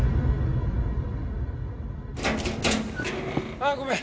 あっごめん。